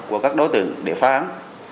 của các đối tượng để phá án